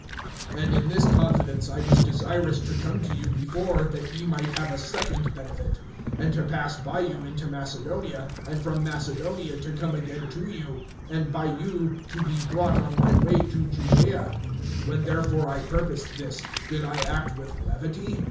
(15)And in this confidence I was desirous to come to you before, that ye might have a second benefit; (16)and to pass by you into Macedonia, and from Macedonia to come again to you, and by you to be brought on my way to Judea. (17)When therefore I purposed this, did I act with levity?